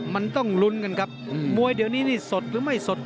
มันต้องลุ้นกันครับมวยเดี๋ยวนี้นี่สดหรือไม่สด